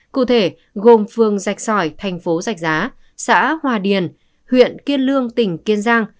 cụ thể gồm phường rạch sỏi thành phố giạch giá xã hòa điền huyện kiên lương tỉnh kiên giang